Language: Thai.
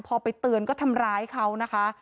พอไปเตือนก็ทำร้ายเขานะคะ